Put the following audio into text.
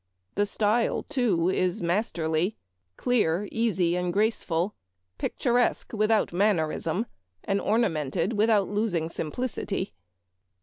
The stvle, too, is masterly, clear, easy, and graceful ; picturesque without mannerism, and ornamented without losing simplicity.